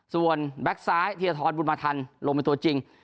ส่วนแบ็คซ้ายที่จะท้อนบุญมาธรรมลงเป็นตัวจริง